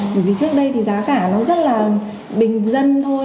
bởi vì trước đây thì giá cả nó rất là bình dân thôi